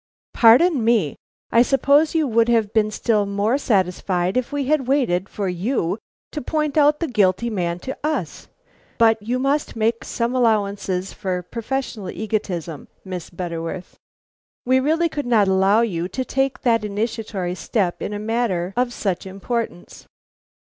"Pardon me! I suppose you would have been still more satisfied if we had waited for you to point out the guilty man to us. But you must make some allowances for professional egotism, Miss Butterworth. We really could not allow you to take the initiatory step in a matter of such importance."